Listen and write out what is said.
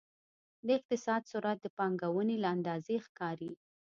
د اقتصاد سرعت د پانګونې له اندازې ښکاري.